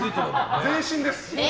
全身です。